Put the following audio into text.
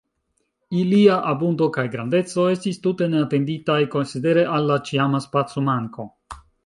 Ilia abundo kaj grandeco estis tute neatenditaj, konsidere al la ĉiama spacomanko.